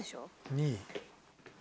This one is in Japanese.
２位？